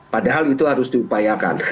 padahal itu harus diupayakan